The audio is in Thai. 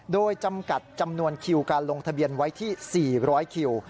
โดยจำกัดจำนวนคิวการลงทะเบียนไว้ที่๔๐๐คิว